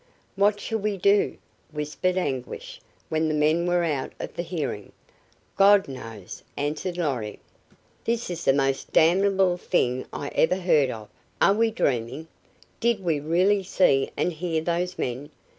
"What shall we do?" whispered Anguish when the men were out of hearing. "God knows!" answered Lorry. "This is the most damnable thing I ever heard of. Are we dreaming? Did we really see and hear those men?"